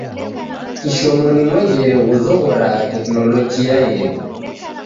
Kishomo ni mwengere ghuzoghoragha teknologia yedu.